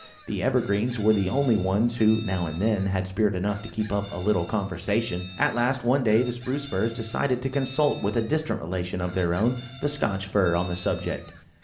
The evergreens were the only ones who, now and then, had spirit enough to keep up a little conversation. At last, one day, the Spruce firs decided to consult with a distant relation of their own, the Scotch fir, on the subject.